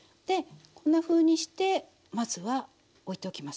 こんなふうにしてまずはおいておきます。